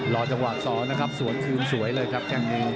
รอจังหวะซ้อนนะครับสวนคืนสวยเลยครับแค่งนี้